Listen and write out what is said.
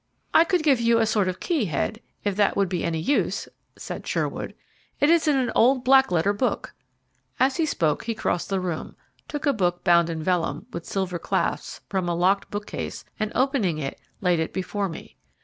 "I could give you a sort of key, Head, if that would be any use," said Sherwood; "it is in an old black letter book." As he spoke he crossed the room, took a book bound in vellum, with silver clasps, from a locked bookcase, and, opening it, laid it before me.